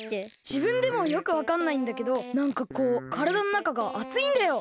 じぶんでもよくわかんないんだけどなんかこうからだのなかがあついんだよ！